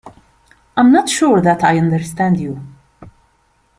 I am not sure that I understand you.